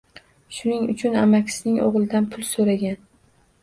Shuning uchun amakisining oʻgʻlidan pul soʻragan.